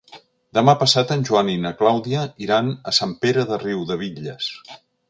Demà passat en Joan i na Clàudia iran a Sant Pere de Riudebitlles.